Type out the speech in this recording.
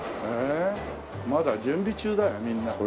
まだ準備中だよみんな。